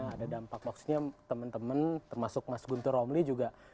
ada dampak maksudnya teman teman termasuk mas guntur romli juga